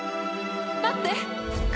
待って！